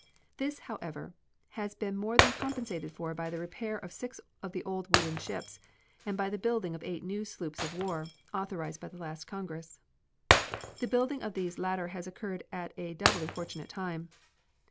This, however, has been more than compensated for by the repair of six of the old wooden ships and by the building of eight new sloops of war, authorized by the last Congress. The building of these latter has occurred at a doubly fortunate time.